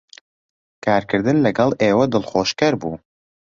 کارکردن لەگەڵ ئێوە دڵخۆشکەر بوو.